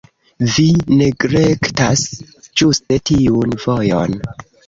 Vi neglektas ĝuste tiun vojon.